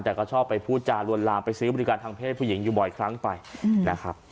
แต่ก็ชอบไปพูดจารวนลามไปซื้อบริการทางเพศผู้หญิงอยู่บ่อยครั้งไปนะครับ